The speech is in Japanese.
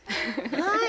はい！